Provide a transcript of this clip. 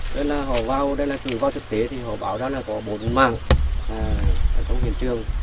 thế là họ vào đây là tùy vào thực tế thì họ báo ra là có bốn mạng ở trong hiện trường